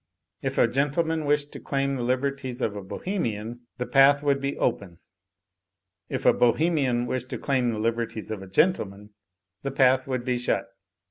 If a gentle man wished to claim the liberties of a Bohemian, the path would be open. If a Bohemian wished to claim the liberties of a gentleman, the path would be shut.